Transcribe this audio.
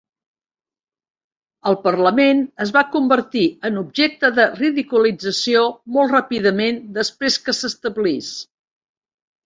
El Parlament es va convertir en objecte de ridiculització molt ràpidament després que s'establís.